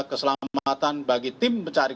keselamatan bagi tim mencari